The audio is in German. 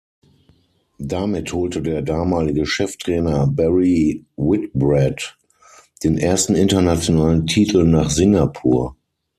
Damit holte der damalige Cheftrainer Barry Whitbread den ersten internationalen Titel nach Singapur.